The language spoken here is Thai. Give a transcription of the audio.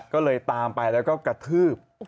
ก็เลยตามไปแล้วก็กระทืบ